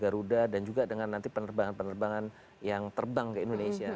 garuda dan juga dengan nanti penerbangan penerbangan yang terbang ke indonesia